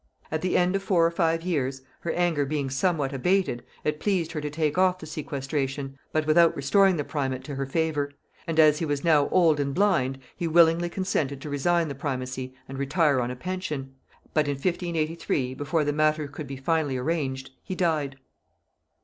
At the end of four or five years, her anger being somewhat abated, it pleased her to take off the sequestration, but without restoring the primate to her favor; and as he was now old and blind, he willingly consented to resign the primacy and retire on a pension: but in 1583, before the matter could be finally arranged, he died.